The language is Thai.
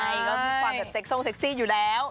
ก็มีความเซี่ยโสโกะเซ็คซี่อยู่แล้ว